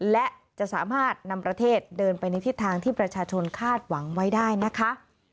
และจะสามารถนำประเทศเดินไปในทิศทางที่ประชาชนคาดหวังไว้ได้นะคะ